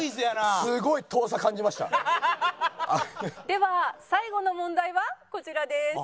では最後の問題はこちらです。